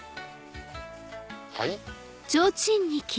はい？